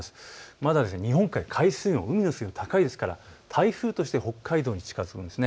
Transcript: まだ日本海の海水温、高いですから台風として北海道に近づくんです。